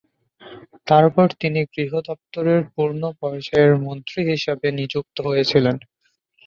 তারপর তিনি গৃহ দপ্তরের পূর্ণ পর্যায়ের মন্ত্রী হিসাবে নিযুক্ত হয়েছিলেন।